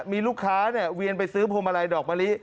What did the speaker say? มีลูกค้าเวียนไปซื้อพวงมาลัยดอกมะลิ